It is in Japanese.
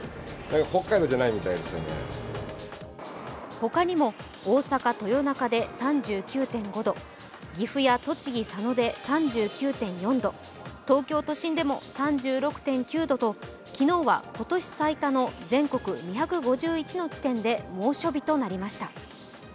他にも、大阪・豊中で３９．５度、岐阜や栃木・佐野で３９．４度東京都心でも３６．９度と昨日は今年最多の全国２５１の地点で猛暑日となりました。